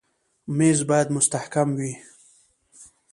مېز باید مستحکم وي.